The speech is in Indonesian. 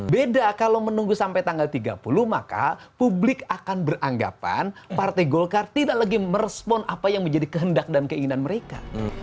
beda kalau menunggu sampai tanggal tiga puluh maka publik akan beranggapan partai golkar tidak lagi merespon apa yang menjadi kehendak dan keinginan mereka